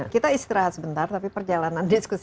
kita istirahat sebentar tapi perjalanan diskusi